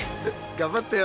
頑張ってよ。